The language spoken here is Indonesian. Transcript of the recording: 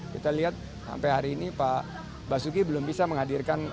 kita lihat sampai hari ini pak basuki belum bisa menghadirkan